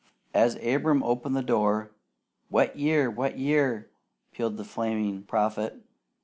As Abram opened the door, "Wet year! Wet year!" pealed the flaming prophet.